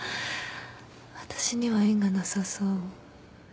私には縁がなさそう。